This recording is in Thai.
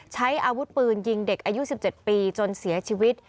ใช้อาวุธปืนยิงเด็กอายุ๑๗ปีจนเสียชีวิต